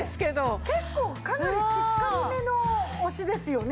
結構かなりしっかりめの押しですよね。